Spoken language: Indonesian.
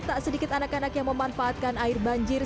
tak sedikit anak anak yang memanfaatkan air banjir